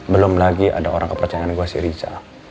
belum lagi ada orang kepercayaan gue si rica